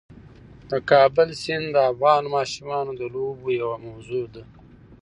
د کابل سیند د افغان ماشومانو د لوبو یوه موضوع ده.